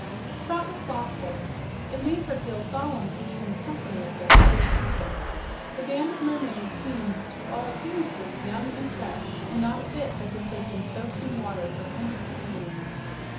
Trot was thoughtful. It made her feel solemn to be in the company of such old people. The band of mermaids seemed to all appearances young and fresh and not a bit as if they'd been soaked in water for hundreds of years.